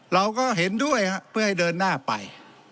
เราก็เห็นด้วยเพื่อให้เดินหน้าไป